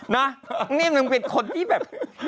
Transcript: นี่มันเป็นคนที่แบบ